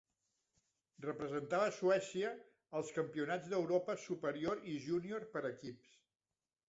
Representava Suècia als Campionats d'Europa Superior i Júnior per Equips.